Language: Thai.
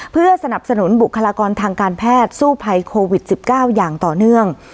เพื่อสนับสนุนบุคลากรทางการแพทย์สู้ภัยโควิด๑๙อย่างต่อเนื่อง